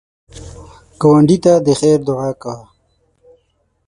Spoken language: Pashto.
ګاونډي ته د خیر دعا کوه